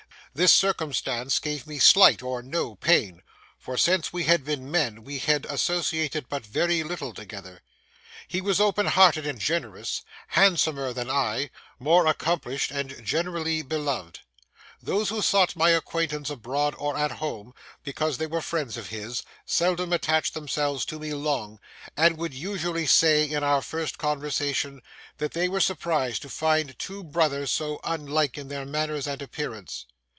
This circumstance gave me slight or no pain; for since we had been men, we had associated but very little together. He was open hearted and generous, handsomer than I, more accomplished, and generally beloved. Those who sought my acquaintance abroad or at home, because they were friends of his, seldom attached themselves to me long, and would usually say, in our first conversation, that they were surprised to find two brothers so unlike in their manners and appearance.